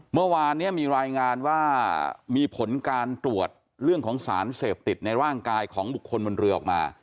เมื่อวานนี้มีรายงานว่ามีผลการตรวจเรื่องของสารเสพติดในร่างกายของบุคคลบนเรือออกมา